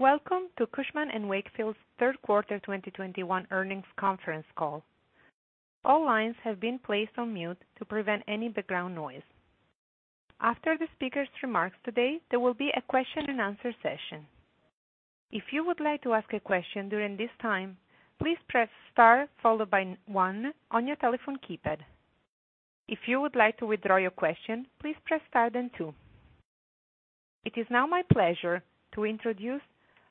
Welcome to Cushman & Wakefield's Third Quarter 2021 Earnings Conference Call. All lines have been placed on mute to prevent any background noise. After the speaker's remarks today, there will be a question and answer session. If you would like to ask a question during this time, please press star followed by one on your telephone keypad. If you would like to withdraw your question, please press star, then two. It is now my pleasure to introduce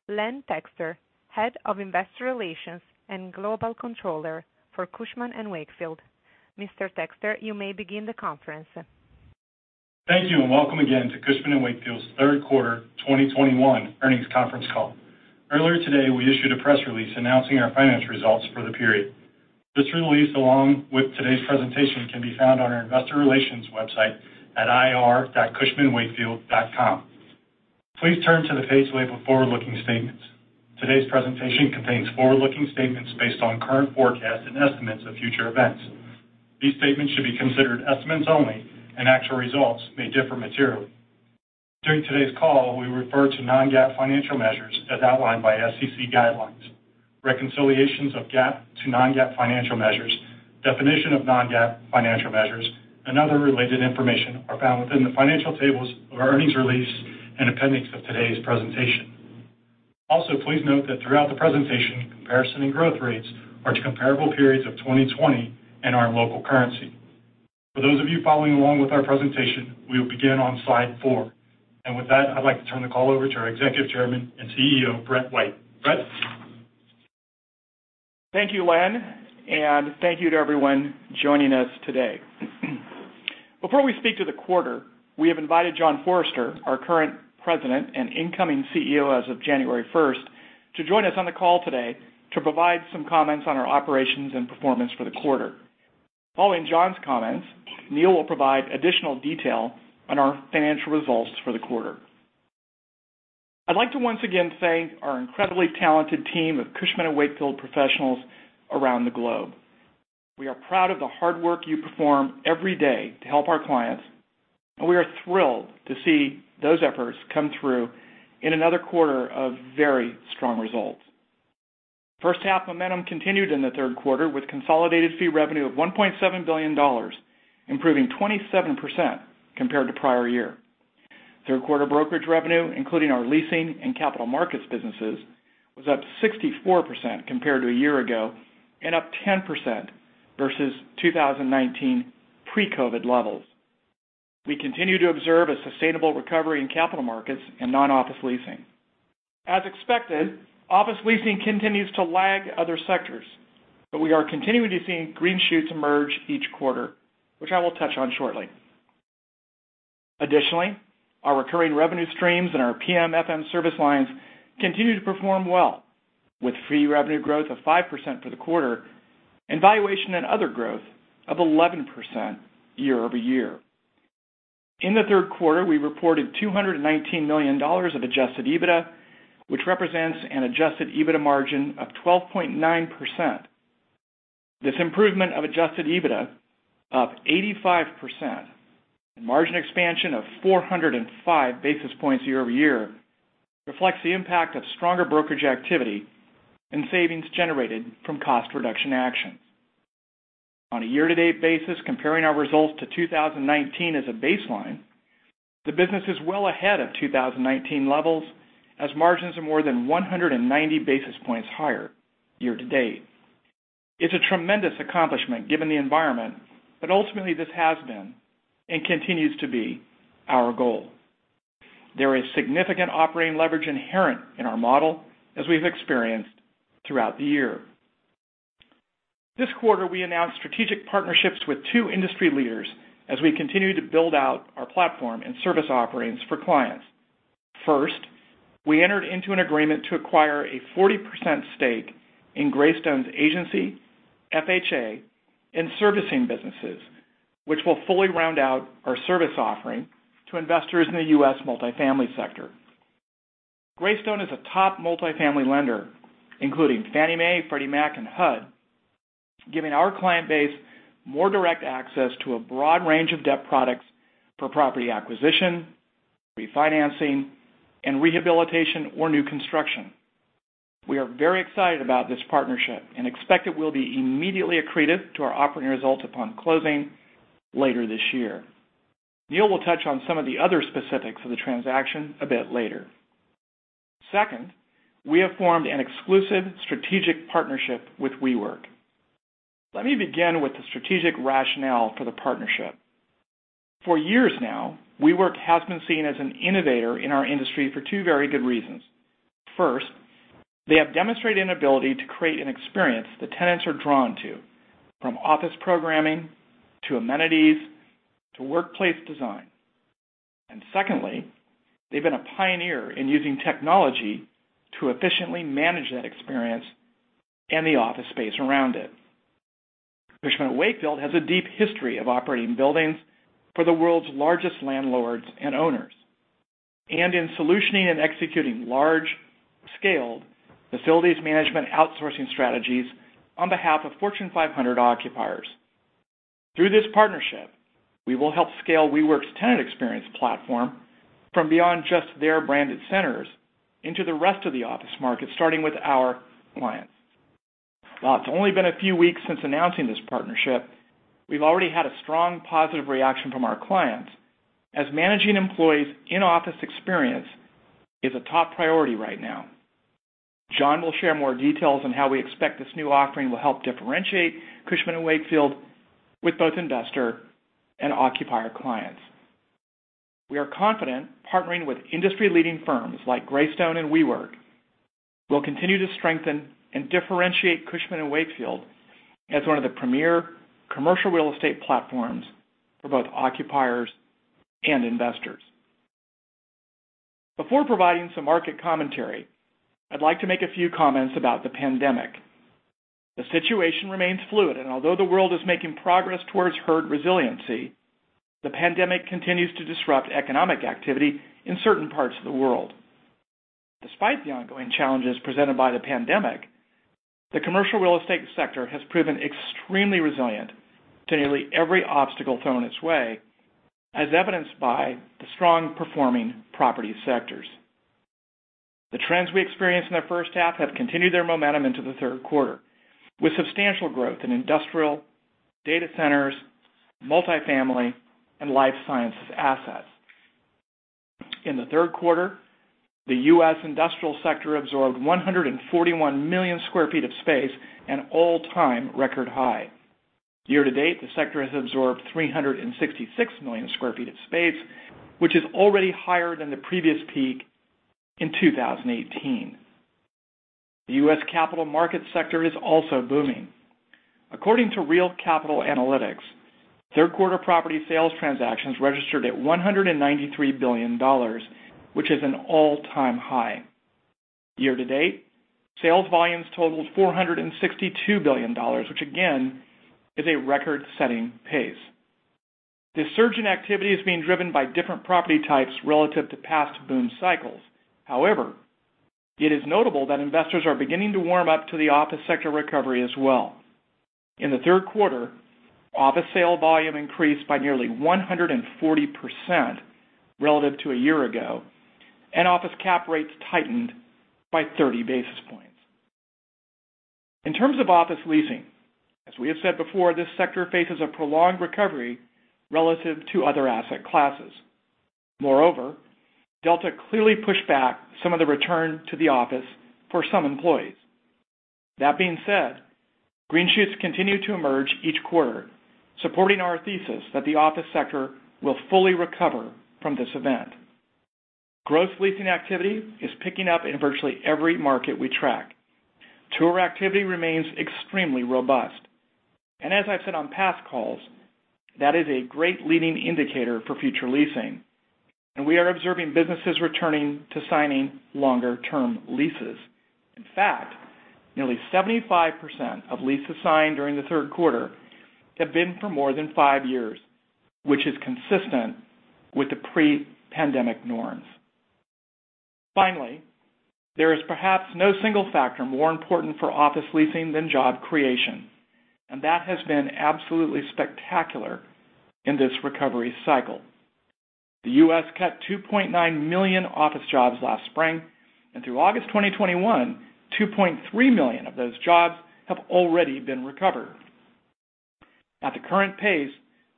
Len Texter, Head of Investor Relations and Global Controller for Cushman & Wakefield. Mr. Texter, you may begin the conference. Thank you, and welcome again to Cushman & Wakefield's Third Quarter 2021 Earnings Conference Call. Earlier today, we issued a press release announcing our financial results for the period. This release, along with today's presentation, can be found on our investor relations website at ir.cushmanwakefield.com. Please turn to the page labeled forward-looking statements. Today's presentation contains forward-looking statements based on current forecasts and estimates of future events. These statements should be considered estimates only, and actual results may differ materially. During today's call, we refer to non-GAAP financial measures as outlined by SEC guidelines. Reconciliations of GAAP to non-GAAP financial measures, definition of non-GAAP financial measures, and other related information are found within the financial tables of our earnings release and appendix of today's presentation. Also, please note that throughout the presentation, comparison and growth rates are to comparable periods of 2020 in our local currency. For those of you following along with our presentation, we will begin on slide four. With that, I'd like to turn the call over to our Executive Chairman and CEO, Brett White. Brett? Thank you, Len, and thank you to everyone joining us today. Before we speak to the quarter, we have invited John Forrester, our current President and incoming CEO as of January first, to join us on the call today to provide some comments on our operations and performance for the quarter. Following John's comments, Neil will provide additional detail on our financial results for the quarter. I'd like to once again thank our incredibly talented team of Cushman & Wakefield professionals around the globe. We are proud of the hard work you perform every day to help our clients, and we are thrilled to see those efforts come through in another quarter of very strong results. First half momentum continued in the third quarter with consolidated fee revenue of $1.7 billion, improving 27% compared to prior year. Third quarter brokerage revenue, including our leasing and capital markets businesses, was up 64% compared to a year ago and up 10% versus 2019 pre-COVID levels. We continue to observe a sustainable recovery in capital markets and non-office leasing. As expected, office leasing continues to lag other sectors, but we are continuing to see green shoots emerge each quarter, which I will touch on shortly. Additionally, our recurring revenue streams and our PM/FM service lines continue to perform well with fee revenue growth of 5% for the quarter and valuation and other growth of 11% year-over-year. In the third quarter, we reported $219 million of Adjusted EBITDA, which represents an Adjusted EBITDA margin of 12.9%.This improvement of Adjusted EBITDA of 85% and margin expansion of 405 basis points year-over-year reflects the impact of stronger brokerage activity and savings generated from cost reduction actions. On a year-to-date basis, comparing our results to 2019 as a baseline, the business is well ahead of 2019 levels as margins are more than 190 basis points higher year-to-date. It's a tremendous accomplishment given the environment, but ultimately this has been and continues to be our goal. There is significant operating leverage inherent in our model as we've experienced throughout the year. This quarter, we announced strategic partnerships with two industry leaders as we continue to build out our platform and service offerings for clients. First, we entered into an agreement to acquire a 40% stake in Greystone's Agency, FHA and Servicing businesses, which will fully round out our service offering to investors in the U.S. multifamily sector. Greystone is a top multifamily lender, including Fannie Mae, Freddie Mac, and HUD, giving our client base more direct access to a broad range of debt products for property acquisition, refinancing, and rehabilitation or new construction. We are very excited about this partnership and expect it will be immediately accretive to our operating results upon closing later this year. Neil will touch on some of the other specifics of the transaction a bit later. Second, we have formed an exclusive strategic partnership with WeWork. Let me begin with the strategic rationale for the partnership. For years now, WeWork has been seen as an innovator in our industry for two very good reasons. First, they have demonstrated an ability to create an experience that tenants are drawn to, from office programming to amenities to workplace design. Secondly, they've been a pioneer in using technology to efficiently manage that experience and the office space around it. Cushman & Wakefield has a deep history of operating buildings for the world's largest landlords and owners, and in solutioning and executing large-scale facilities management outsourcing strategies on behalf of Fortune 500 occupiers. Through this partnership, we will help scale WeWork's tenant experience platform from beyond just their branded centers into the rest of the office market, starting with our clients. While it's only been a few weeks since announcing this partnership, we've already had a strong positive reaction from our clients as managing employees in-office experience is a top priority right now. John will share more details on how we expect this new offering will help differentiate Cushman & Wakefield with both investor and occupier clients. We are confident partnering with industry-leading firms like Greystone and WeWork will continue to strengthen and differentiate Cushman & Wakefield as one of the premier commercial real estate platforms for both occupiers and investors. Before providing some market commentary, I'd like to make a few comments about the pandemic. The situation remains fluid, and although the world is making progress towards herd resiliency, the pandemic continues to disrupt economic activity in certain parts of the world. Despite the ongoing challenges presented by the pandemic, the commercial real estate sector has proven extremely resilient to nearly every obstacle thrown its way, as evidenced by the strong performing property sectors. The trends we experienced in the first half have continued their momentum into the third quarter, with substantial growth in industrial, data centers, multifamily, and life sciences assets. In the third quarter, the US industrial sector absorbed 141 million sq ft of space, an all-time record high. Year-to-date, the sector has absorbed 366 million sq ft of space, which is already higher than the previous peak in 2018. The US capital markets sector is also booming. According to Real Capital Analytics, third quarter property sales transactions registered at $193 billion, which is an all-time high. Year-to-date, sales volumes totaled $462 billion, which again, is a record-setting pace. This surge in activity is being driven by different property types relative to past boom cycles. However, it is notable that investors are beginning to warm up to the office sector recovery as well. In the third quarter, office sale volume increased by nearly 140% relative to a year ago, and office cap rates tightened by 30 basis points. In terms of office leasing, as we have said before, this sector faces a prolonged recovery relative to other asset classes. Moreover, Delta clearly pushed back some of the return to the office for some employees. That being said, green shoots continue to emerge each quarter, supporting our thesis that the office sector will fully recover from this event. Gross leasing activity is picking up in virtually every market we track. Tour activity remains extremely robust. As I've said on past calls, that is a great leading indicator for future leasing, and we are observing businesses returning to signing longer term leases. In fact, nearly 75% of leases signed during the third quarter have been for more than five years, which is consistent with the pre-pandemic norms. Finally, there is perhaps no single factor more important for office leasing than job creation, and that has been absolutely spectacular in this recovery cycle. The U.S. cut 2.9 million office jobs last spring, and through August 2021, 2.3 million of those jobs have already been recovered. At the current pace,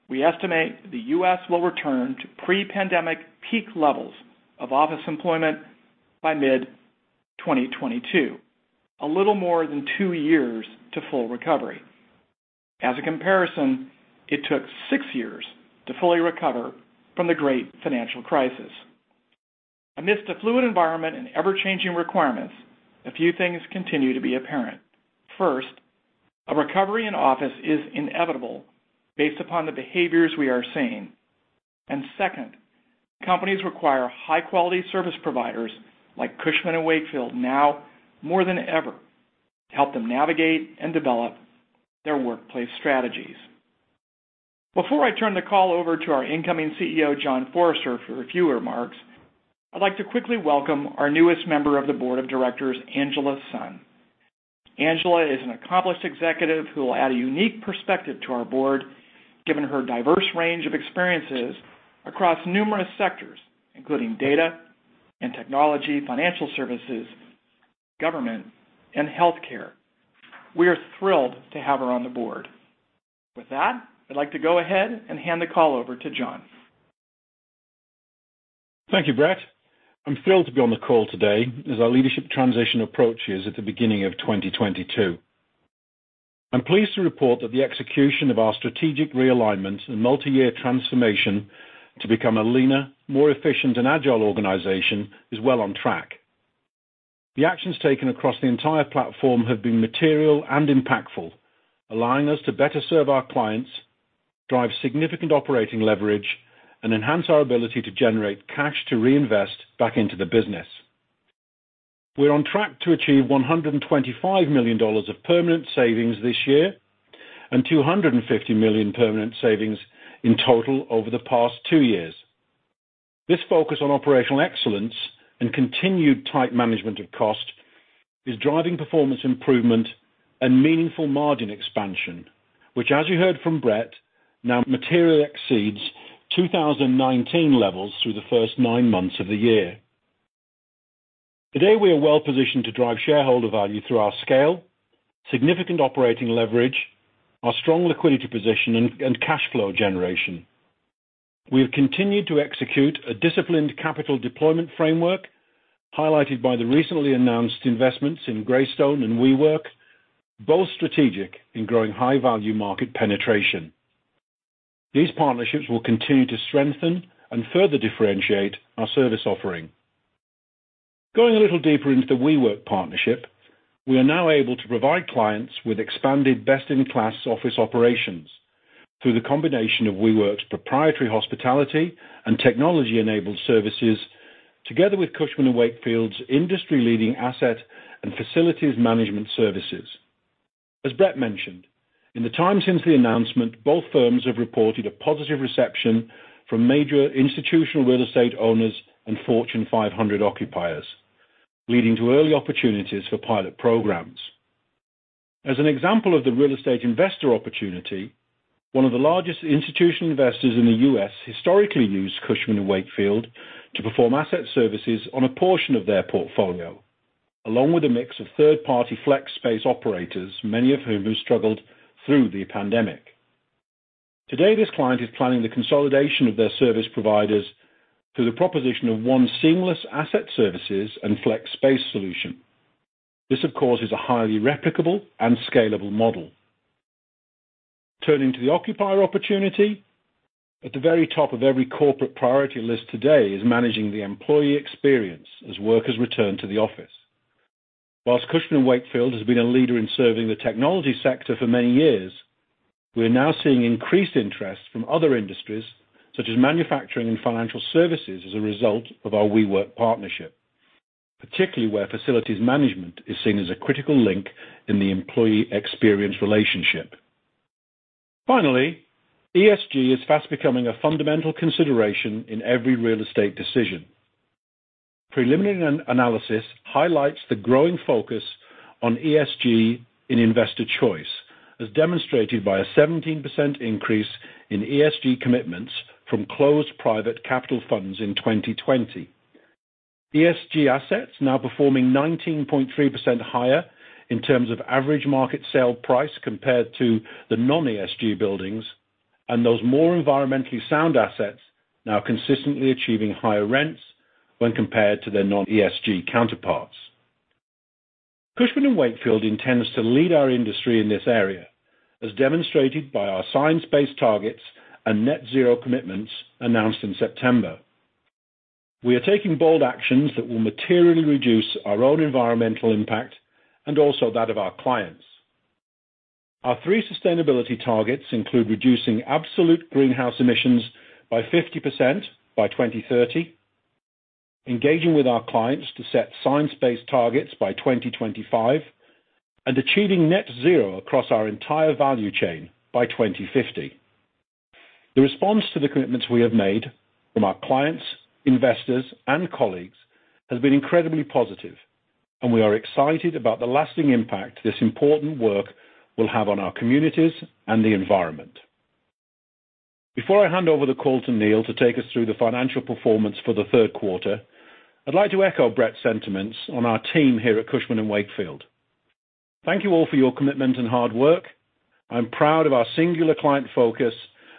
we estimate the U.S. will return to pre-pandemic peak levels of office employment by mid-2022, a little more than two years to full recovery. As a comparison, it took six years to fully recover from the Great Financial Crisis. Amidst a fluid environment and ever-changing requirements, a few things continue to be apparent. First, a recovery in office is inevitable based upon the behaviors we are seeing. Second, companies require high-quality service providers like Cushman & Wakefield now more than ever to help them navigate and develop their workplace strategies. Before I turn the call over to our incoming CEO, John Forrester, for a few remarks, I'd like to quickly welcome our newest member of the board of directors, Angela Sun. Angela is an accomplished executive who will add a unique perspective to our board, given her diverse range of experiences across numerous sectors, including data and technology, financial services, government, and healthcare. We are thrilled to have her on the board. With that, I'd like to go ahead and hand the call over to John. Thank you, Brett. I'm thrilled to be on the call today as our leadership transition approaches at the beginning of 2022. I'm pleased to report that the execution of our strategic realignment and multi-year transformation to become a leaner, more efficient, and agile organization is well on track. The actions taken across the entire platform have been material and impactful, allowing us to better serve our clients, drive significant operating leverage, and enhance our ability to generate cash to reinvest back into the business. We're on track to achieve $125 million of permanent savings this year and $250 million permanent savings in total over the past two years. This focus on operational excellence and continued tight management of cost is driving performance improvement and meaningful margin expansion, which as you heard from Brett, now materially exceeds 2019 levels through the first nine months of the year. Today, we are well positioned to drive shareholder value through our scale, significant operating leverage, our strong liquidity position, and cash flow generation. We have continued to execute a disciplined capital deployment framework, highlighted by the recently announced investments in Greystone and WeWork, both strategic in growing high-value market penetration. These partnerships will continue to strengthen and further differentiate our service offering. Going a little deeper into the WeWork partnership, we are now able to provide clients with expanded best-in-class office operations through the combination of WeWork's proprietary hospitality and technology-enabled services, together with Cushman & Wakefield's industry-leading asset and facilities management services. As Brett mentioned, in the time since the announcement, both firms have reported a positive reception from major institutional real estate owners and Fortune 500 occupiers, leading to early opportunities for pilot programs. As an example of the real estate investor opportunity, one of the largest institutional investors in the U.S. historically used Cushman & Wakefield to perform Asset Services on a portion of their portfolio, along with a mix of third-party flex space operators, many of whom have struggled through the pandemic. Today, this client is planning the consolidation of their service providers through the proposition of one seamless Asset Services and flex space solution. This, of course, is a highly replicable and scalable model. Turning to the occupier opportunity, at the very top of every corporate priority list today is managing the employee experience as workers return to the office. While Cushman & Wakefield has been a leader in serving the technology sector for many years, we are now seeing increased interest from other industries, such as manufacturing and financial services, as a result of our WeWork partnership, particularly where facilities management is seen as a critical link in the employee experience relationship. Finally, ESG is fast becoming a fundamental consideration in every real estate decision. Preliminary analysis highlights the growing focus on ESG in investor choice, as demonstrated by a 17% increase in ESG commitments from closed private capital funds in 2020. ESG assets now performing 19.3% higher in terms of average market sale price compared to the non-ESG buildings, and those more environmentally sound assets now consistently achieving higher rents when compared to their non-ESG counterparts. Cushman & Wakefield intends to lead our industry in this area, as demonstrated by our science-based targets and net zero commitments announced in September. We are taking bold actions that will materially reduce our own environmental impact and also that of our clients. Our three sustainability targets include reducing absolute greenhouse emissions by 50% by 2030, engaging with our clients to set science-based targets by 2025, and achieving net zero across our entire value chain by 2050. The response to the commitments we have made from our clients, investors, and colleagues has been incredibly positive, and we are excited about the lasting impact this important work will have on our communities and the environment. Before I hand over the call to Neil to take us through the financial performance for the third quarter, I'd like to echo Brett's sentiments on our team here at Cushman & Wakefield. Thank you all for your commitment and hard work. I'm proud of our singular client focus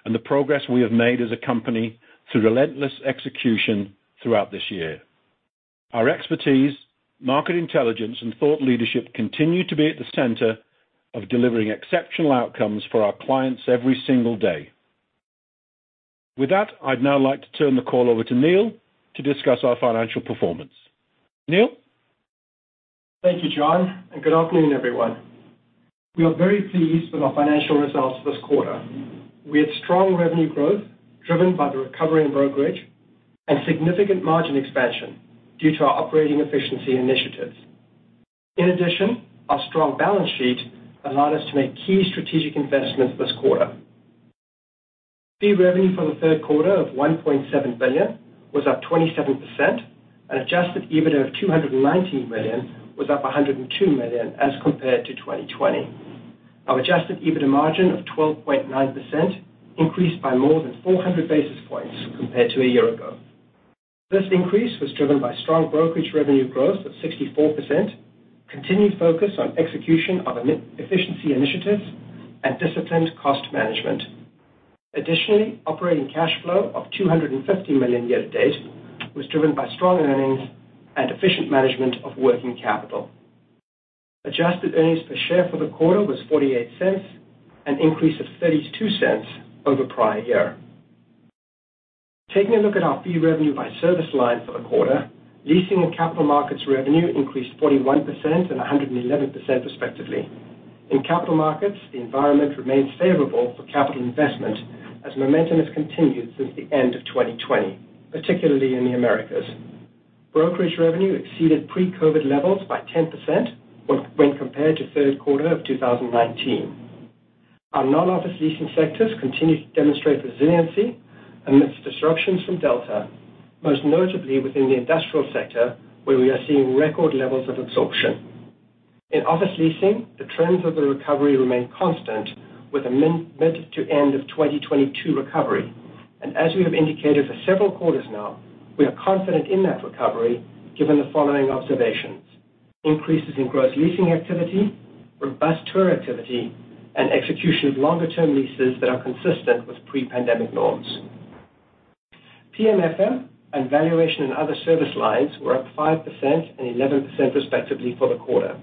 and the progress we have made as a company through relentless execution throughout this year. Our expertise, market intelligence, and thought leadership continue to be at the center of delivering exceptional outcomes for our clients every single day. With that, I'd now like to turn the call over to Neil to discuss our financial performance. Neil? Thank you, John, and good afternoon, everyone. We are very pleased with our financial results this quarter. We had strong revenue growth driven by the recovery in brokerage and significant margin expansion due to our operating efficiency initiatives. In addition, our strong balance sheet allowed us to make key strategic investments this quarter. Fee revenue for the third quarter of $1.7 billion was up 27% and Adjusted EBITDA of $219 million was up $102 million as compared to 2020. Our Adjusted EBITDA margin of 12.9% increased by more than 400 basis points compared to a year ago. This increase was driven by strong brokerage revenue growth of 64%, continued focus on execution of efficiency initiatives, and disciplined cost management. Additionally, operating cash flow of $250 million year to date was driven by strong earnings and efficient management of working capital. Adjusted earnings per share for the quarter was $0.48, an increase of $0.32 over prior year. Taking a look at our fee revenue by service line for the quarter, leasing and capital markets revenue increased 41% and 111% respectively. In capital markets, the environment remains favorable for capital investment as momentum has continued since the end of 2020, particularly in the Americas. Brokerage revenue exceeded pre-COVID levels by 10% when compared to third quarter of 2019. Our non-office leasing sectors continue to demonstrate resiliency amidst disruptions from Delta, most notably within the industrial sector where we are seeing record levels of absorption. In office leasing, the trends of the recovery remain constant with a mid- to end-2022 recovery. As we have indicated for several quarters now, we are confident in that recovery given the following observations. Increases in gross leasing activity, robust tour activity, and execution of longer-term leases that are consistent with pre-pandemic norms. PM/FM and Valuation and other service lines were up 5% and 11% respectively for the quarter.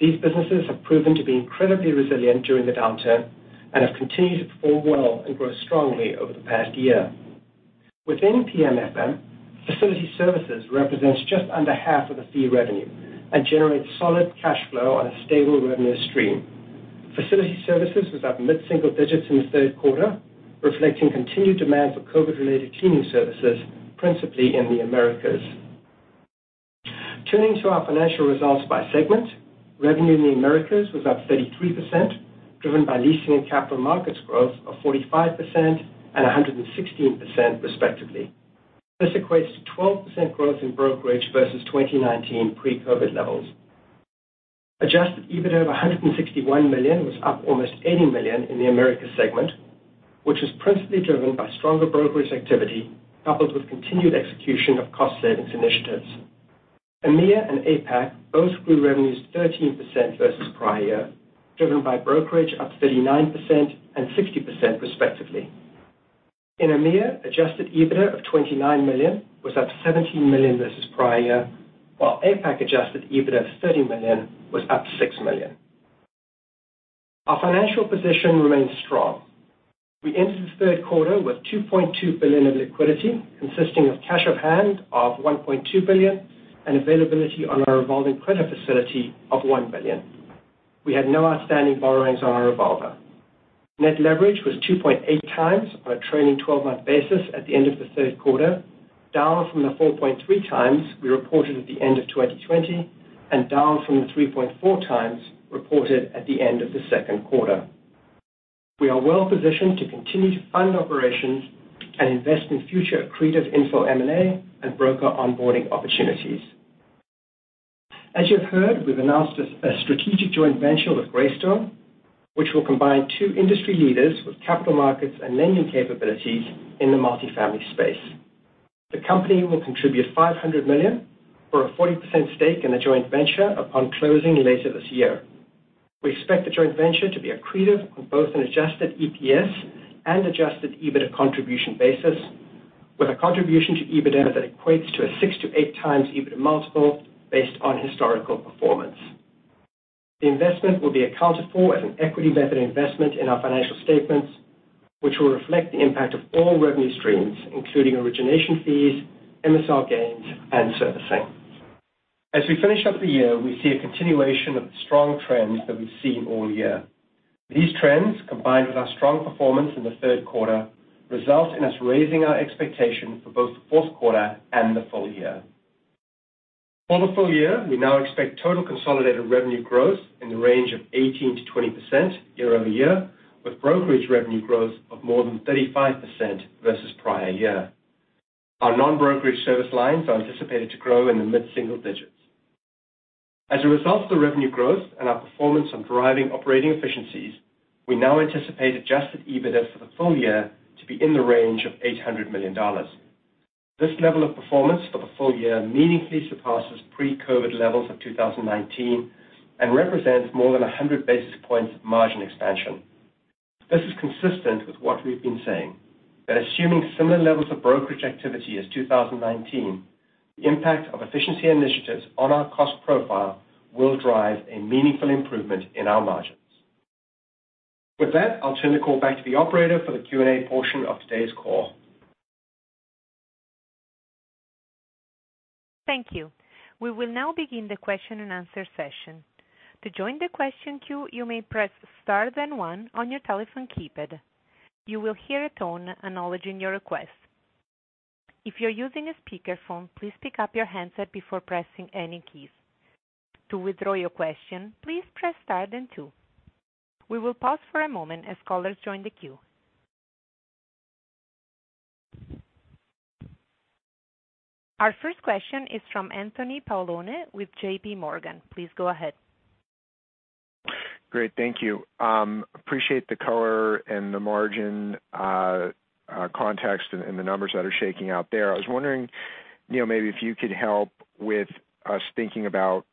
These businesses have proven to be incredibly resilient during the downturn and have continued to perform well and grow strongly over the past year. Within PM/FM, facility services represents just under half of the fee revenue and generates solid cash flow on a stable revenue stream. Facility services was up mid-single digits in the third quarter, reflecting continued demand for COVID-related cleaning services, principally in the Americas. Turning to our financial results by segment. Revenue in the Americas was up 33%, driven by leasing and capital markets growth of 45% and 116% respectively. This equates to 12% growth in brokerage versus 2019 pre-COVID levels. Adjusted EBITDA of $161 million was up almost $80 million in the Americas segment, which was principally driven by stronger brokerage activity coupled with continued execution of cost savings initiatives. EMEA and APAC both grew revenues 13% versus prior year, driven by brokerage up 39% and 60% respectively. In EMEA, Adjusted EBITDA of $29 million was up $17 million versus prior year, while APAC Adjusted EBITDA of $30 million was up $6 million. Our financial position remains strong. We ended the third quarter with $2.2 billion of liquidity, consisting of cash on hand of $1.2 billion and availability on our revolving credit facility of $1 billion. We had no outstanding borrowings on our revolver. Net leverage was 2.8x on a trailing twelve-month basis at the end of the third quarter, down from the 4.3x we reported at the end of 2020 and down from the 3.4x reported at the end of the second quarter. We are well positioned to continue to fund operations and invest in future accretive inorganic M&A and broker onboarding opportunities. As you have heard, we've announced a strategic joint venture with Greystone, which will combine two industry leaders with capital markets and lending capabilities in the multifamily space. The company will contribute $500 million for a 40% stake in the joint venture upon closing later this year. We expect the joint venture to be accretive on both an adjusted EPS and Adjusted EBITDA contribution basis, with a contribution to EBITDA that equates to a 6x-8x EBITDA multiple based on historical performance. The investment will be accounted for as an equity method investment in our financial statements, which will reflect the impact of all revenue streams, including origination fees, MSR gains, and servicing. As we finish up the year, we see a continuation of the strong trends that we've seen all year. These trends, combined with our strong performance in the third quarter, result in us raising our expectation for both the fourth quarter and the full year. For the full year, we now expect total consolidated revenue growth in the range of 18%-20% year-over-year, with brokerage revenue growth of more than 35% versus prior year. Our non-brokerage service lines are anticipated to grow in the mid-single digits. As a result of the revenue growth and our performance on driving operating efficiencies, we now anticipate Adjusted EBITDA for the full year to be in the range of $800 million. This level of performance for the full year meaningfully surpasses pre-COVID levels of 2019 and represents more than 100 basis points of margin expansion. This is consistent with what we've been saying, that assuming similar levels of brokerage activity as 2019, the impact of efficiency initiatives on our cost profile will drive a meaningful improvement in our margins. With that, I'll turn the call back to the operator for the Q&A portion of today's call. Thank you. We will now begin the question-and-answer session. To join the question queue, you may press star then one on your telephone keypad. You will hear a tone acknowledging your request. If you're using a speakerphone, please pick up your handset before pressing any keys. To withdraw your question, please press star then two. We will pause for a moment as callers join the queue. Our first question is from Anthony Paolone with JPMorgan. Please go ahead. Great. Thank you. Appreciate the color and the margin context and the numbers that are shaking out there. I was wondering, Neil, maybe if you could help us with thinking about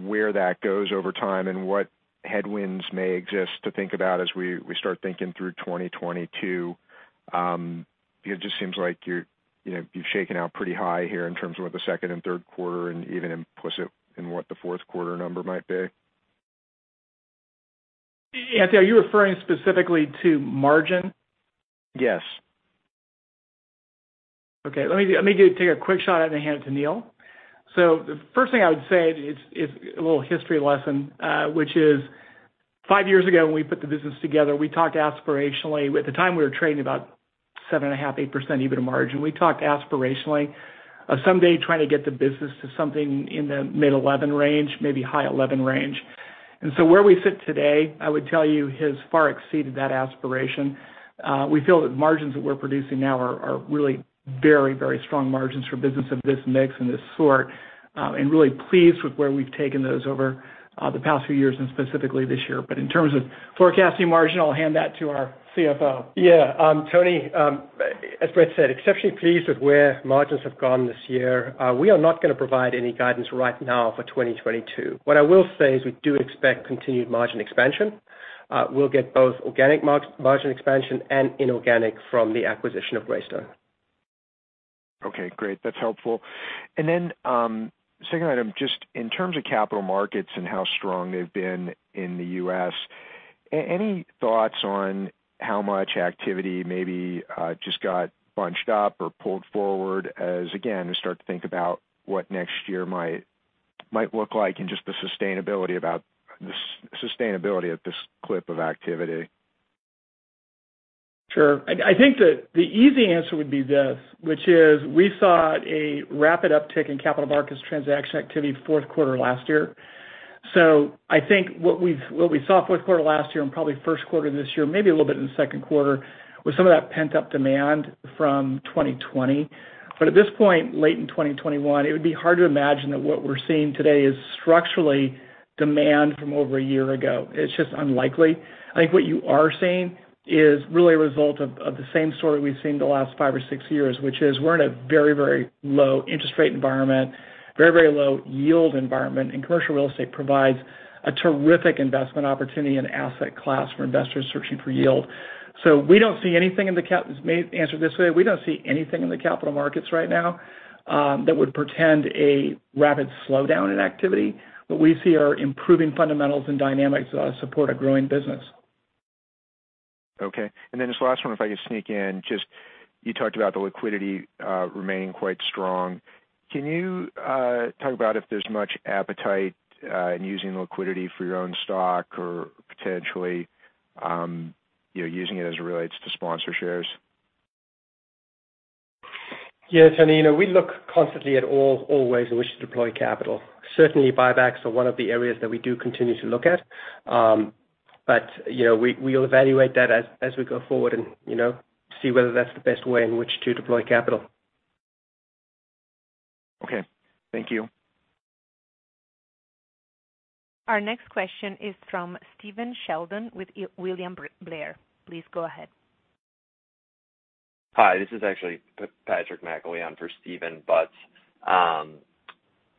where that goes over time and what headwinds may exist to think about as we start thinking through 2022. It just seems like you know, you've shaken out pretty high here in terms of what the second and third quarter and even implicit in what the fourth quarter number might be. Anthony, are you referring specifically to margin? Yes. Okay. Let me take a quick shot at it and hand it to Neil. The first thing I would say is it's a little history lesson, which is five years ago, when we put the business together, we talked aspirationally. At the time, we were trading about 7.5%-8% EBITDA margin. We talked aspirationally of someday trying to get the business to something in the mid-11% range, maybe high 11% range. Where we sit today, I would tell you, has far exceeded that aspiration. We feel that margins that we're producing now are really very, very strong margins for business of this mix and this sort, and really pleased with where we've taken those over the past few years and specifically this year. In terms of forecasting margin, I'll hand that to our CFO. Yeah, Tony, as Brett said, exceptionally pleased with where margins have gone this year. We are not gonna provide any guidance right now for 2022. What I will say is we do expect continued margin expansion. We'll get both organic margin expansion and inorganic from the acquisition of Greystone. Okay, great. That's helpful. Second item, just in terms of capital markets and how strong they've been in the U.S., any thoughts on how much activity maybe just got bunched up or pulled forward as, again, we start to think about what next year might look like and just the sustainability at this clip of activity? Sure. I think that the easy answer would be this, which is we saw a rapid uptick in capital markets transaction activity fourth quarter last year. I think what we saw fourth quarter last year and probably first quarter this year, maybe a little bit in the second quarter, was some of that pent-up demand from 2020. At this point, late in 2021, it would be hard to imagine that what we're seeing today is structural demand from over a year ago. It's just unlikely. I think what you are seeing is really a result of the same story we've seen the last five or six years, which is we're in a very, very low interest rate environment, very, very low yield environment, and commercial real estate provides a terrific investment opportunity and asset class for investors searching for yield. We don't see anything in the capital markets right now, that would portend a rapid slowdown in activity. What we see are improving fundamentals and dynamics that support a growing business. Okay. This last one, if I could sneak in, just you talked about the liquidity remaining quite strong. Can you talk about if there's much appetite in using liquidity for your own stock or potentially, you know, using it as it relates to sponsor shares? Yeah. Tony, you know, we look constantly at all ways in which to deploy capital. Certainly, buybacks are one of the areas that we do continue to look at. But, you know, we'll evaluate that as we go forward and, you know, see whether that's the best way in which to deploy capital. Okay. Thank you. Our next question is from Stephen Sheldon with William Blair. Please go ahead. Hi, this is actually Patrick McIlwee for Stephen Sheldon.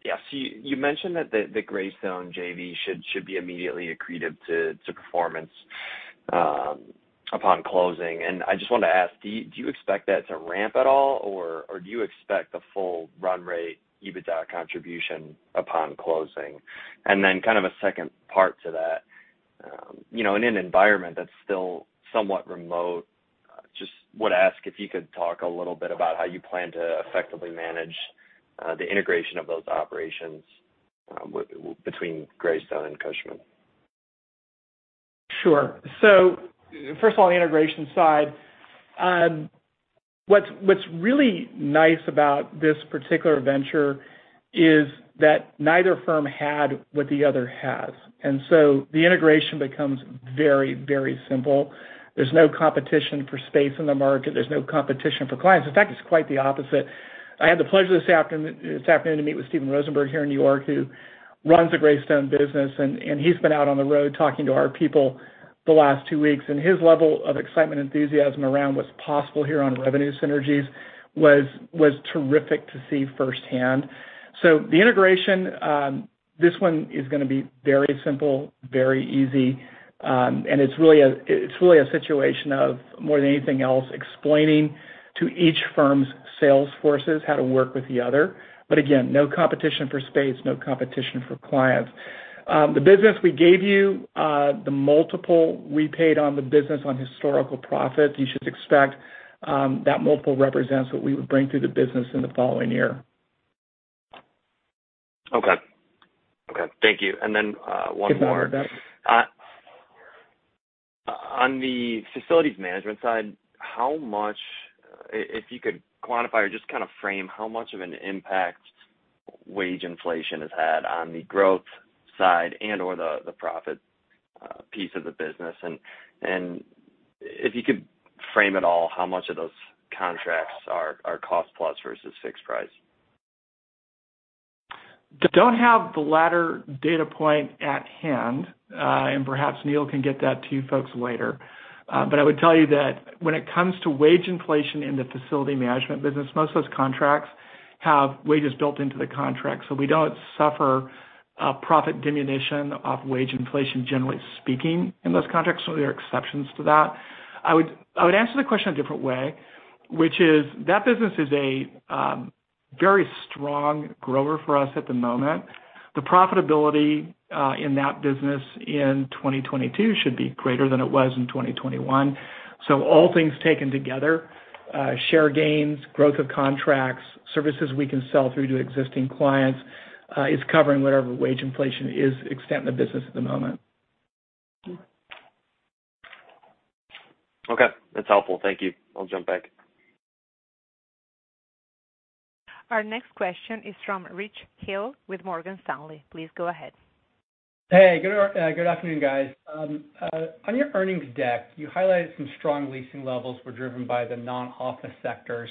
You mentioned that the Greystone JV should be immediately accretive to performance upon closing. I just wanted to ask, do you expect that to ramp at all, or do you expect the full run rate EBITDA contribution upon closing? Then kind of a second part to that, in an environment that's still somewhat remote, I just would ask if you could talk a little bit about how you plan to effectively manage the integration of those operations between Greystone and Cushman. Sure. First of all, on the integration side, what's really nice about this particular venture is that neither firm had what the other has. The integration becomes very, very simple. There's no competition for space in the market. There's no competition for clients. In fact, it's quite the opposite. I had the pleasure this afternoon to meet with Stephen Rosenberg here in New York, who runs the Greystone business, and he's been out on the road talking to our people the last two weeks. His level of excitement and enthusiasm around what's possible here on revenue synergies was terrific to see firsthand. The integration, this one is gonna be very simple, very easy, and it's really a situation of, more than anything else, explaining to each firm's sales forces how to work with the other. Again, no competition for space, no competition for clients. The business we gave you, the multiple we paid on the business on historical profits, you should expect that multiple represents what we would bring to the business in the following year. Okay. Thank you. One more. Yes, Patrick. On the facilities management side, how much, if you could quantify or just kind of frame how much of an impact wage inflation has had on the growth side and/or the profit piece of the business. If you could frame at all how much of those contracts are cost plus versus fixed price. don't have the latter data point at hand, and perhaps Neil can get that to you folks later. But I would tell you that when it comes to wage inflation in the facility management business, most of those contracts have wages built into the contract, so we don't suffer profit diminution off wage inflation, generally speaking, in those contracts, so there are exceptions to that. I would answer the question a different way, which is that business is a very strong grower for us at the moment. The profitability in that business in 2022 should be greater than it was in 2021. All things taken together, share gains, growth of contracts, services we can sell through to existing clients, is covering whatever wage inflation is extant in the business at the moment. Okay, that's helpful. Thank you. I'll jump back. Our next question is from Rich Hill with Morgan Stanley. Please go ahead. Hey, good afternoon, guys. On your earnings deck, you highlighted some strong leasing levels were driven by the non-office sectors.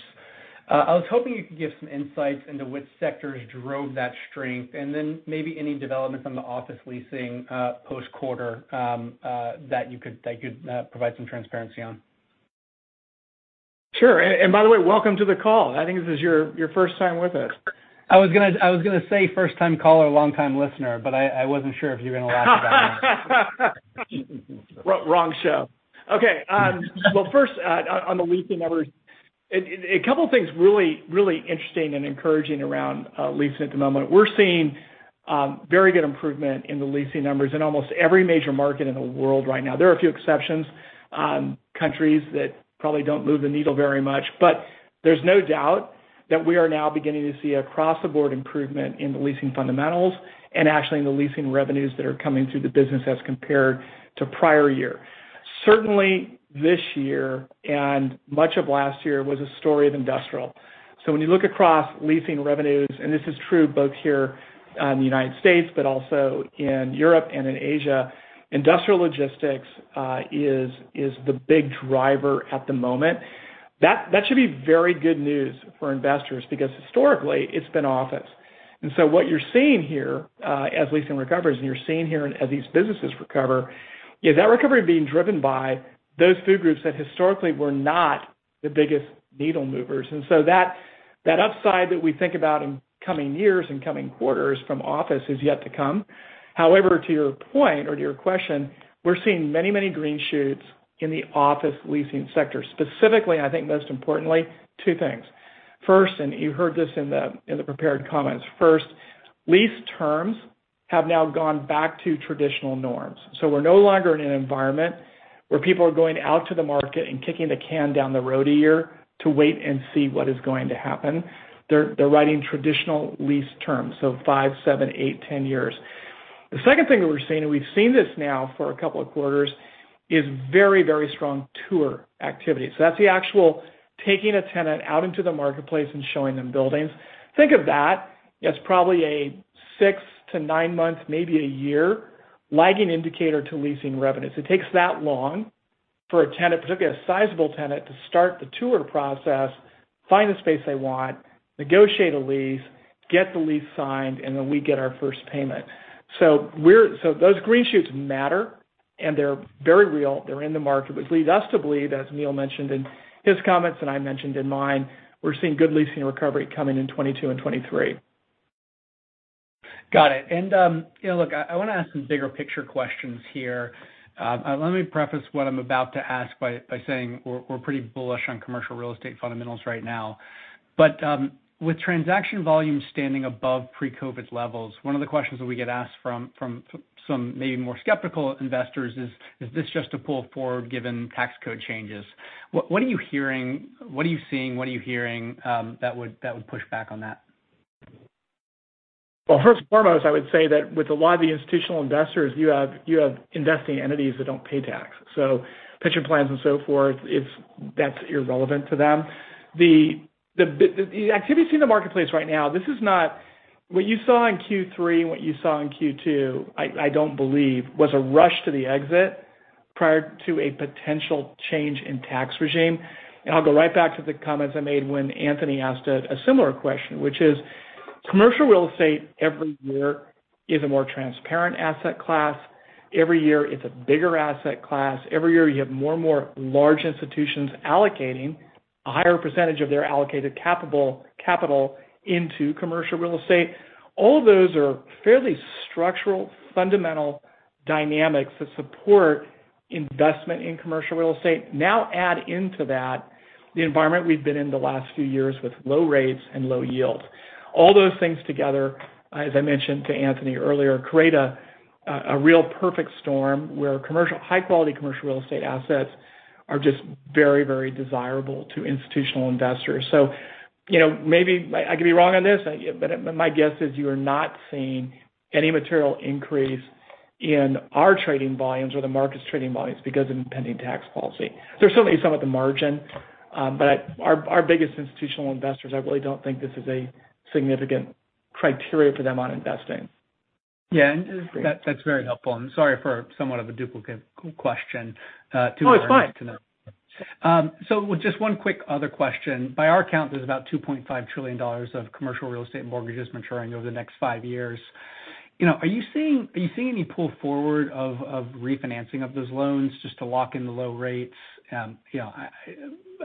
I was hoping you could give some insights into which sectors drove that strength, and then maybe any developments on the office leasing post-quarter that you'd provide some transparency on. Sure. By the way, welcome to the call. I think this is your first time with us. I was gonna say first time caller, longtime listener, but I wasn't sure if you were gonna laugh at that or not. Well, first, on the leasing numbers. A couple things really interesting and encouraging around leasing at the moment. We're seeing very good improvement in the leasing numbers in almost every major market in the world right now. There are a few exceptions, countries that probably don't move the needle very much. There's no doubt that we are now beginning to see across the board improvement in the leasing fundamentals and actually in the leasing revenues that are coming through the business as compared to prior year. Certainly, this year and much of last year was a story of industrial. When you look across leasing revenues, and this is true both here in the United States, but also in Europe and in Asia, industrial logistics is the big driver at the moment. That should be very good news for investors because historically it's been office. What you're seeing here as leasing recovers, and you're seeing here as these businesses recover, is that recovery being driven by those few groups that historically were not the biggest needle movers. That upside that we think about in coming years and coming quarters from office is yet to come. However, to your point or to your question, we're seeing many, many green shoots in the office leasing sector. Specifically, I think most importantly, two things. First, you heard this in the prepared comments. First, lease terms have now gone back to traditional norms. We're no longer in an environment where people are going out to the market and kicking the can down the road a year to wait and see what is going to happen. They're writing traditional lease terms, so five, seven, eight, 10 years. The second thing that we're seeing, and we've seen this now for a couple of quarters, is very, very strong tour activity. That's the actual taking a tenant out into the marketplace and showing them buildings. Think of that as probably a 6-9 months, maybe a year lagging indicator to leasing revenues. It takes that long for a tenant, particularly a sizable tenant, to start the tour process, find the space they want, negotiate a lease, get the lease signed, and then we get our first payment. Those green shoots matter and they're very real. They're in the market, which leads us to believe, as Neil mentioned in his comments and I mentioned in mine, we're seeing good leasing recovery coming in 2022 and 2023. Got it. You know, look, I wanna ask some bigger picture questions here. Let me preface what I'm about to ask by saying we're pretty bullish on commercial real estate fundamentals right now. With transaction volume standing above pre-COVID levels, one of the questions that we get asked from some maybe more skeptical investors is this just to pull forward given tax code changes? What are you seeing, what are you hearing that would push back on that? Well, first and foremost, I would say that with a lot of the institutional investors, you have investing entities that don't pay tax. So pension plans and so forth, it's, that's irrelevant to them. The activity in the marketplace right now, this is not what you saw in Q3 and what you saw in Q2, I don't believe, was a rush to the exit prior to a potential change in tax regime. I'll go right back to the comments I made when Anthony asked a similar question, which is commercial real estate every year is a more transparent asset class. Every year, it's a bigger asset class. Every year, you have more and more large institutions allocating a higher percentage of their allocated capital into commercial real estate. All of those are fairly structural, fundamental dynamics that support investment in commercial real estate. Now add into that the environment we've been in the last few years with low rates and low yields. All those things together, as I mentioned to Anthony earlier, create a real perfect storm where commercial, high-quality commercial real estate assets are just very, very desirable to institutional investors. You know, maybe I could be wrong on this, but my guess is you are not seeing any material increase in our trading volumes or the market's trading volumes because of impending tax policy. There's certainly some at the margin, but our biggest institutional investors, I really don't think this is a significant criteria for them on investing. Yeah, that's very helpful, and sorry for somewhat of a duplicate question to earn this. No, it's fine. Just one quick other question. By our count, there's about $2.5 trillion of commercial real estate mortgages maturing over the next five years. Are you seeing any pull forward of refinancing of those loans just to lock in the low rates? I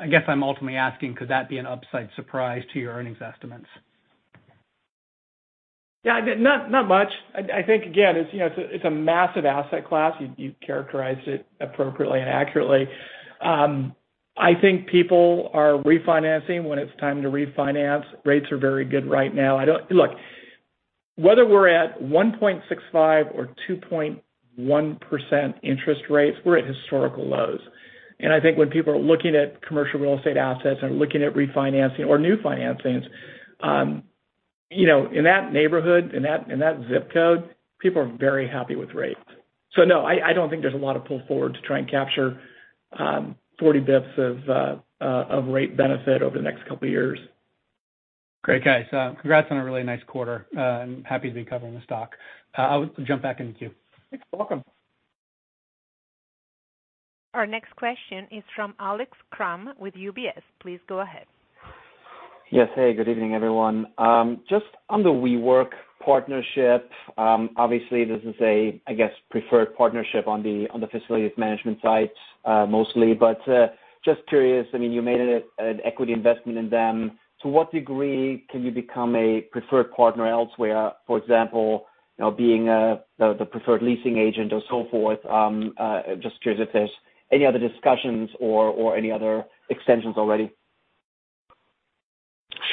guess I'm ultimately asking, could that be an upside surprise to your earnings estimates? Yeah. Not much. I think, again, you know, it's a massive asset class. You characterized it appropriately and accurately. I think people are refinancing when it's time to refinance. Rates are very good right now. Look, whether we're at 1.65% or 2.1% interest rates, we're at historical lows. I think when people are looking at commercial real estate assets or looking at refinancing or new financings, you know, in that neighborhood, in that ZIP code, people are very happy with rates. No, I don't think there's a lot of pull forward to try and capture 40 basis points of rate benefit over the next couple of years. Great. Okay. Congrats on a really nice quarter, and happy to be covering the stock. I'll jump back in the queue. You're welcome. Our next question is from Alex Kramm with UBS. Please go ahead. Yes. Hey, good evening, everyone. Just on the WeWork partnership, obviously this is a, I guess, preferred partnership on the facilities management side, mostly. Just curious, I mean, you made an equity investment in them. To what degree can you become a preferred partner elsewhere, for example, you know, being the preferred leasing agent or so forth? Just curious if there's any other discussions or any other extensions already.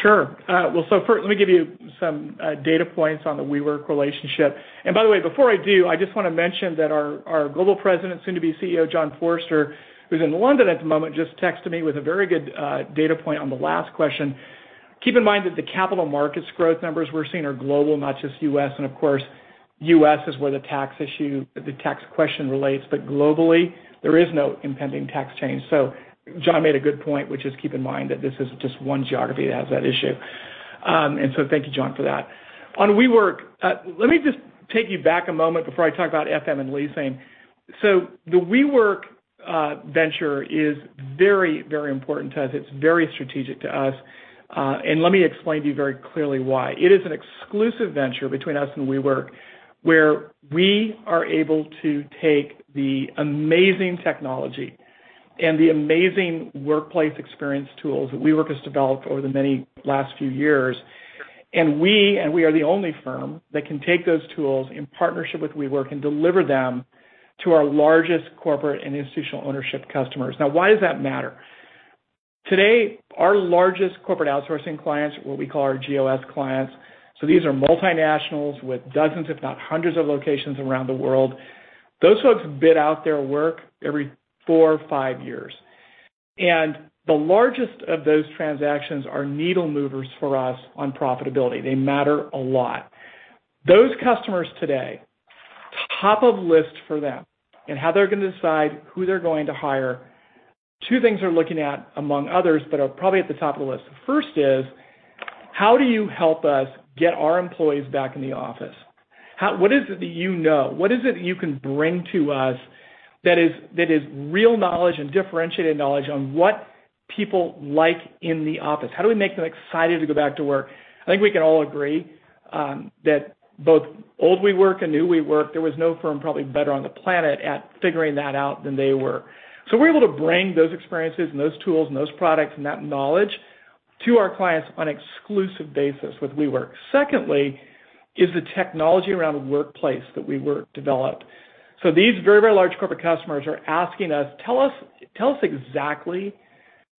Sure. Well, first, let me give you some data points on the WeWork relationship. By the way, before I do, I just wanna mention that our Global President, soon to be CEO, John Forrester, who's in London at the moment, just texted me with a very good data point on the last question. Keep in mind that the capital markets growth numbers we're seeing are global, not just U.S. Of course, U.S. is where the tax issue, the tax question relates. Globally, there is no impending tax change. John made a good point, which is keep in mind that this is just one geography that has that issue. Thank you, John, for that. On WeWork, let me just take you back a moment before I talk about FM and leasing. The WeWork venture is very, very important to us. It's very strategic to us. Let me explain to you very clearly why. It is an exclusive venture between us and WeWork, where we are able to take the amazing technology and the amazing workplace experience tools that WeWork has developed over the many last few years, and we are the only firm that can take those tools in partnership with WeWork and deliver them to our largest corporate and institutional ownership customers. Now, why does that matter? Today, our largest corporate outsourcing clients, what we call our GOS clients, these are multinationals with dozens, if not hundreds of locations around the world. Those folks bid out their work every four or five years. The largest of those transactions are needle movers for us on profitability. They matter a lot. Those customers today, top of list for them, and how they're gonna decide who they're going to hire, two things they're looking at among others, but are probably at the top of the list. First is, how do you help us get our employees back in the office? What is it that you know? What is it you can bring to us that is real knowledge and differentiated knowledge on what people like in the office? How do we make them excited to go back to work? I think we can all agree that both old WeWork and new WeWork, there was no firm probably better on the planet at figuring that out than they were. So we're able to bring those experiences and those tools and those products and that knowledge to our clients on exclusive basis with WeWork. Secondly is the technology around the workplace that WeWork developed. These very, very large corporate customers are asking us, "Tell us, tell us exactly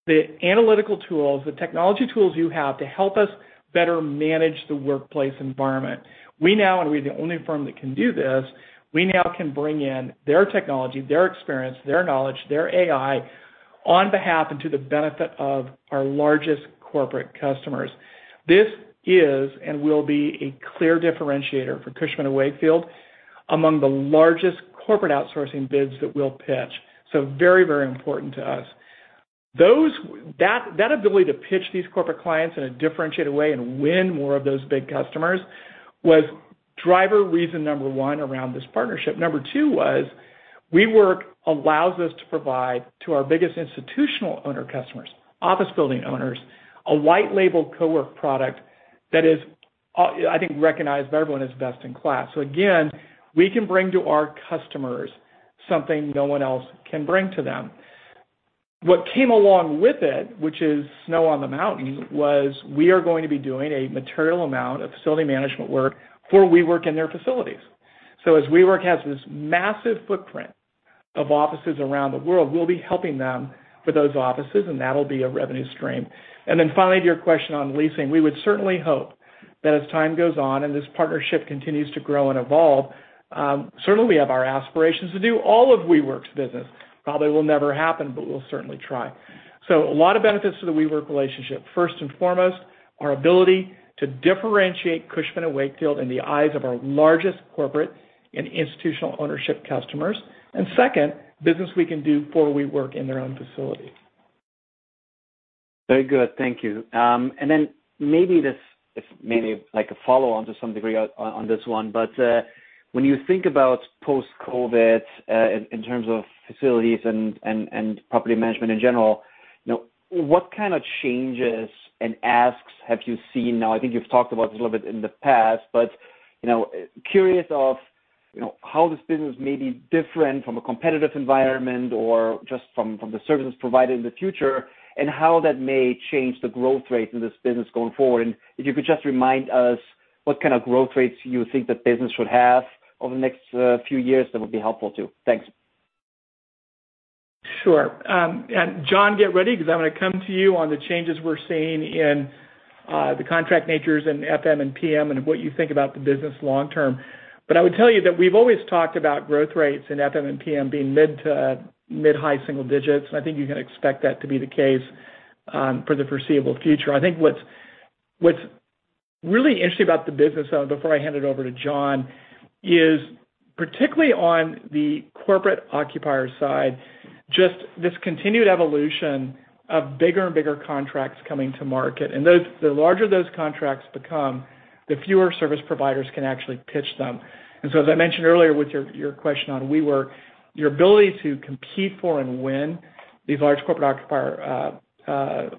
the analytical tools, the technology tools you have to help us better manage the workplace environment." We now, and we're the only firm that can do this, we now can bring in their technology, their experience, their knowledge, their AI on behalf and to the benefit of our largest corporate customers. This is and will be a clear differentiator for Cushman & Wakefield among the largest corporate outsourcing bids that we'll pitch. Very, very important to us. That ability to pitch these corporate clients in a differentiated way and win more of those big customers was driving reason number one around this partnership. Number two was WeWork allows us to provide to our biggest institutional owner customers, office building owners, a white label co-work product that is, I think recognized by everyone as best in class. Again, we can bring to our customers something no one else can bring to them. What came along with it, which is snow on the mountain, was we are going to be doing a material amount of facility management work for WeWork in their facilities. As WeWork has this massive footprint of offices around the world, we'll be helping them with those offices, and that'll be a revenue stream. Then finally, to your question on leasing, we would certainly hope that as time goes on and this partnership continues to grow and evolve, certainly we have our aspirations to do all of WeWork's business. Probably will never happen, but we'll certainly try. A lot of benefits to the WeWork relationship. First and foremost, our ability to differentiate Cushman & Wakefield in the eyes of our largest corporate and institutional ownership customers. Second, business we can do for WeWork in their own facilities. Very good. Thank you. Then maybe this is like a follow-on to some degree on this one. When you think about post-COVID, in terms of facilities and property management in general, you know, what kind of changes and asks have you seen? I think you've talked about this a little bit in the past, but you know, curious of, you know, how this business may be different from a competitive environment or just from the services provided in the future, and how that may change the growth rate in this business going forward. If you could just remind us what kind of growth rates you think the business should have over the next few years, that would be helpful too. Thanks. Sure. John, get ready because I'm gonna come to you on the changes we're seeing in the contract natures in FM and PM and what you think about the business long term. I would tell you that we've always talked about growth rates in FM and PM being mid to mid-high single digits. I think you can expect that to be the case for the foreseeable future. I think what's really interesting about the business, though, before I hand it over to John, is particularly on the corporate occupier side, just this continued evolution of bigger and bigger contracts coming to market. Those, the larger those contracts become, the fewer service providers can actually pitch them. As I mentioned earlier, with your question on WeWork, your ability to compete for and win these large corporate occupier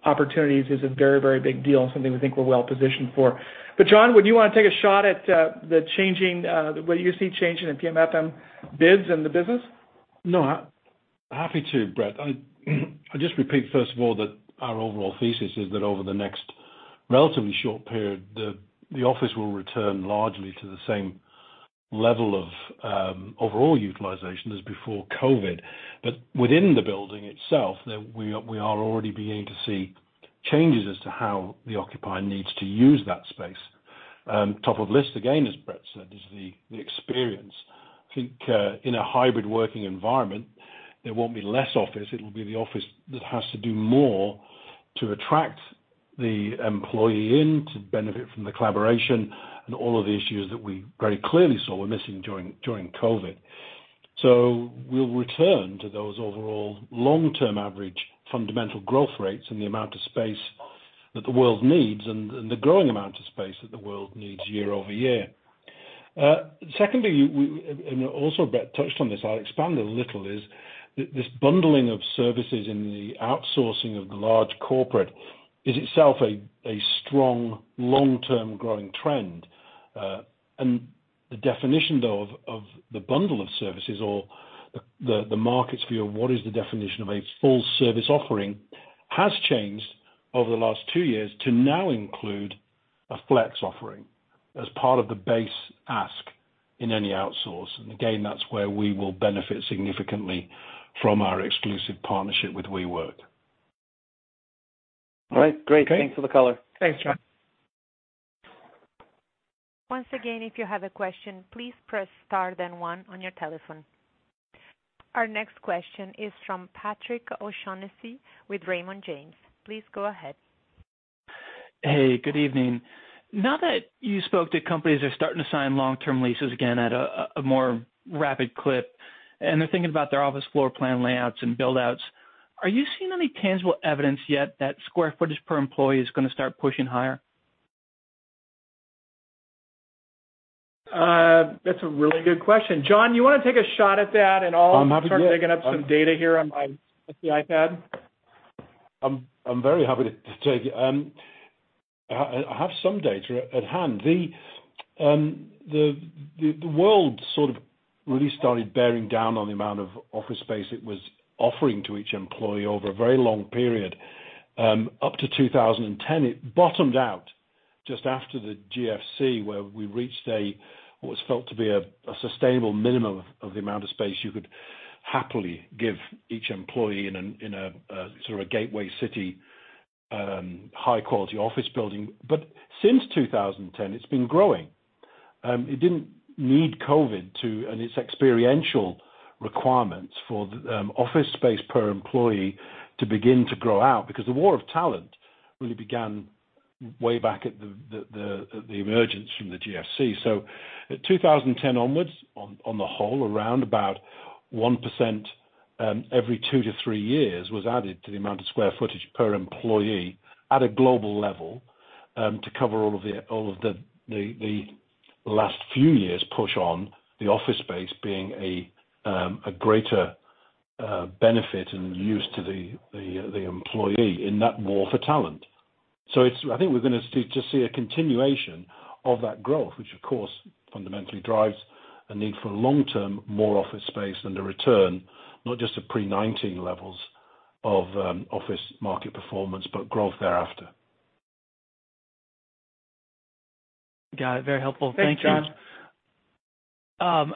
opportunities is a very, very big deal and something we think we're well positioned for. John, would you wanna take a shot at the way you see changing in PM/FM bids in the business? No, happy to, Brett. I just repeat, first of all, that our overall thesis is that over the next relatively short period, the office will return largely to the same level of overall utilization as before COVID. Within the building itself, we are already beginning to see changes as to how the occupier needs to use that space. Top of list, again, as Brett said, is the experience. I think, in a hybrid working environment, there won't be less office, it'll be the office that has to do more to attract the employee in to benefit from the collaboration and all of the issues that we very clearly saw were missing during COVID. We'll return to those overall long-term average fundamental growth rates and the amount of space that the world needs and the growing amount of space that the world needs year over year. Secondly, also Brett touched on this. I'll expand a little. This bundling of services and the outsourcing of the large corporate is itself a strong long-term growing trend. The definition, though, of the bundle of services or the market's view of what is the definition of a full service offering has changed over the last two years to now include a flex offering as part of the base ask in any outsourcing. Again, that's where we will benefit significantly from our exclusive partnership with WeWork. All right. Great. Okay. Thanks for the color. Thanks, John. Once again, if you have a question, please press star then one on your telephone. Our next question is from Patrick O'Shaughnessy with Raymond James. Please go ahead. Hey, good evening. Now that you've spoken to companies, they are starting to sign long-term leases again at a more rapid clip, and they're thinking about their office floor plan layouts and build-outs, are you seeing any tangible evidence yet that square footage per employee is gonna start pushing higher? That's a really good question. John, you wanna take a shot at that at all? I'm happy to. I'll start digging up some data here on the iPad. I'm very happy to take it. I have some data at hand. The world sort of really started bearing down on the amount of office space it was offering to each employee over a very long period. Up to 2010, it bottomed out just after the GFC, where we reached what was felt to be a sustainable minimum of the amount of space you could happily give each employee in a sort of gateway city, high quality office building. Since 2010, it's been growing. It didn't need COVID to and its experiential requirements for office space per employee to begin to grow out because the war of talent really began way back at the emergence from the GFC. At 2010 onwards, on the whole, around about 1% every two to three years was added to the amount of square footage per employee at a global level, to cover all of the last few years push on the office space being a greater benefit and use to the employee in that war for talent. I think we're gonna see a continuation of that growth, which of course fundamentally drives a need for long-term more office space and a return, not just to pre-2019 levels of office market performance, but growth thereafter. Got it. Very helpful. Thank you. Thanks, John.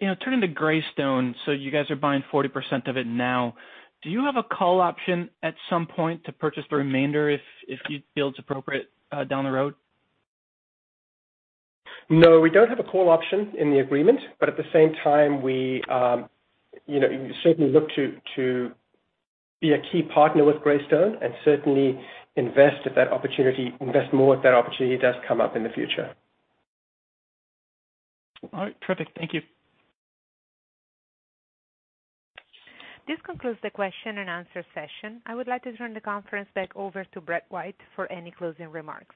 You know, turning to Greystone, so you guys are buying 40% of it now. Do you have a call option at some point to purchase the remainder if you feel it's appropriate down the road? No, we don't have a call option in the agreement, but at the same time, we, you know, certainly look to be a key partner with Greystone and certainly invest more if that opportunity does come up in the future. All right. Perfect. Thank you. This concludes the question and answer session. I would like to turn the conference back over to Brett White for any closing remarks.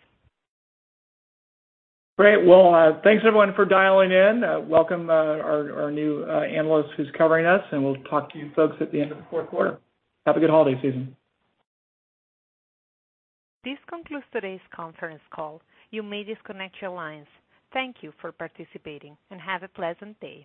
Great. Well, thanks everyone for dialing in. Welcome our new analyst who's covering us, and we'll talk to you folks at the end of the fourth quarter. Have a good holiday season. This concludes today's conference call. You may disconnect your lines. Thank you for participating, and have a pleasant day.